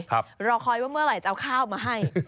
รอคอยว่าเมื่อไหร่จะเอาข้าวมาให้